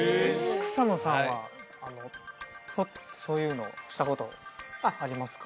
草野さんはあのそういうのをしたことありますか？